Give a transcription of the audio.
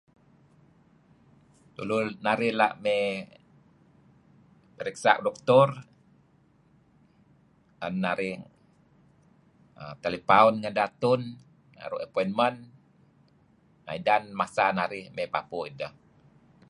Tulu narih la' may pariksa' doctor an narih telipaun ngedeh atun naru' appointment idan masa narih may papu' ideh.